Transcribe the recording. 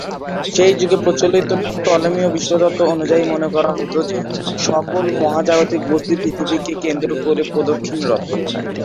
সেই যুগে প্রচলিত টলেমীয় বিশ্বতত্ত্ব অনুযায়ী মনে করা হত যে, সকল মহাজাগতিক বস্তুই পৃথিবীকে কেন্দ্র করে প্রদক্ষিণ রত।